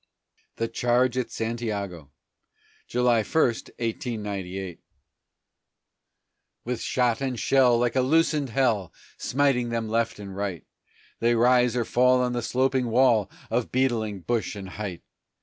THE CHARGE AT SANTIAGO [July 1, 1898] With shot and shell, like a loosened hell, Smiting them left and right, They rise or fall on the sloping wall Of beetling bush and height!